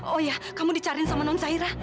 oh ya kamu dicariin sama non cairah